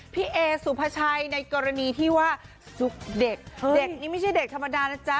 พี่เอสุภาชัยในกรณีที่ว่าซุกเด็กเด็กนี่ไม่ใช่เด็กธรรมดานะจ๊ะ